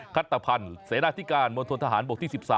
คัตตะพันธ์เสนาทิการมวลทนทหารบกที่๑๓